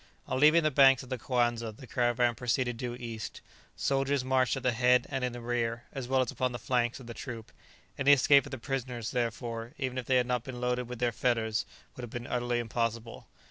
On leaving the banks of the Coanza the caravan proceeded due east. Soldiers marched at the head and in the rear, as well as upon the flanks of the troop; any escape of the prisoners, therefore, even if they had not been loaded with their fetters, would have been utterly impossible.